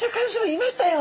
いましたよ